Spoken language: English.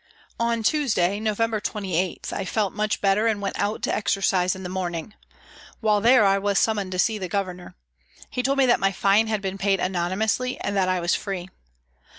On Tuesday, November 28, 1 felt much better and went out to exercise in the morning. While there I was summoned to see the Governor. He told me that my fine had been paid anonymously and that I was free.